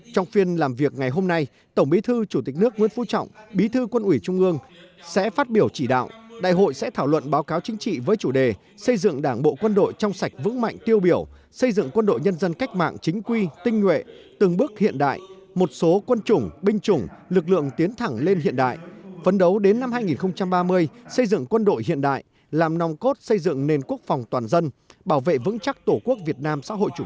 trong phiên làm việc ngày hôm nay tổng bí thư chủ tịch nước nguyễn phú trọng bí thư quân ủy trung ương sẽ phát biểu chỉ đạo đại hội sẽ thảo luận báo cáo chính trị với chủ đề xây dựng đảng bộ quân đội trong sạch vững mạnh tiêu biểu xây dựng quân đội nhân dân cách mạng chính quy tinh nguệ từng bước hiện đại một số quân chủng binh chủng lực lượng tiến thẳng lên hiện đại vấn đấu đến năm hai nghìn ba mươi xây dựng quân đội hiện đại làm nòng cốt xây dựng nền quốc phòng toàn dân bảo vệ vững chắc tổ quốc việt nam